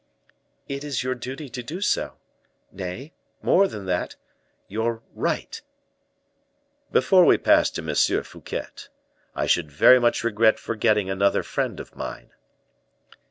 "It is your duty to do so, nay, more than that, your right." "Before we pass to M. Fouquet, I should very much regret forgetting another friend of mine."